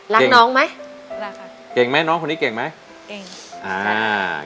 รักน้องไหมรักค่ะเก่งไหมน้องคนนี้เก่งไหมเก่งอ่า